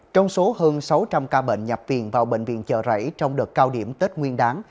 trong số hơn sáu trăm linh ca bệnh nhập viện vào bệnh viện chợ rẫy trong đợt cao điểm tết nguyên đáng